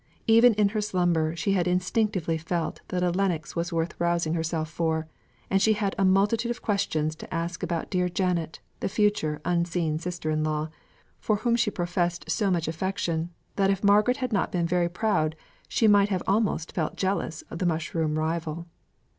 Even in her slumber she had instinctively felt that a Lennox was worth rousing herself for; and she had a multitude of questions to ask about dear Janet, the future, unseen sister in law, for whom she professed so much affection, that if Margaret had not been very proud she might have almost felt jealous of the mushroom rival.